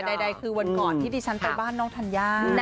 แต่ใดเนี่ยคือวันก่อนที่ดิฉันไปบ้านน้องทันย่า